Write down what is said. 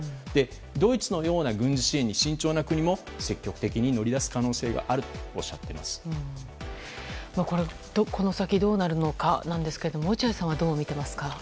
ドイツのような軍事支援に慎重な国も積極的に乗り出すこの先どうなるかですが落合さんはどう見ていますか。